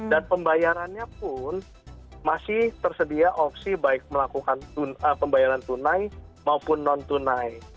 dan pembayarannya pun masih tersedia opsi baik melakukan pembayaran tunai maupun non tunai